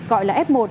gọi là f một